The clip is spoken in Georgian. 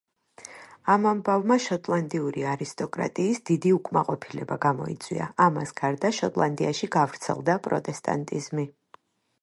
ამ ამბავმა შოტლანდიური არისტოკრატიის დიდი უკმაყოფილება გამოიწვია, ამას გარდა შოტლანდიაში გავრცელდა პროტესტანტიზმი.